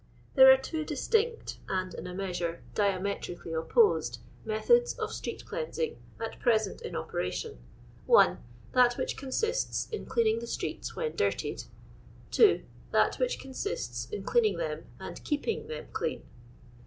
There are two distinct, and, in a measure, diametrically opposed, methods of street^cleansing at present in operation. 1. That which consists in cleaning the streets when dirtied. 2. That which consists in cleaning them and Ufpinij them clean.